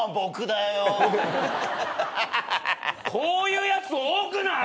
こういうやつ多くない！？